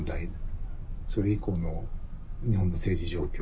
それ以降の日本の政治状況。